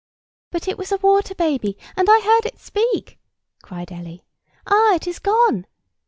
"But it was a water baby, and I heard it speak!" cried Ellie. "Ah, it is gone!"